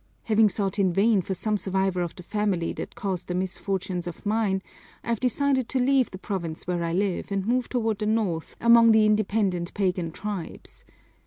Having sought in vain for some survivor of the family that caused the misfortunes of mine, I've decided to leave the province where I live and move toward the North among the independent pagan tribes.